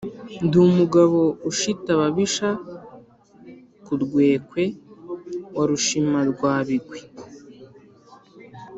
Ndi umugabo ushita ababisha ku ndekwe wa Rushimirwabigwi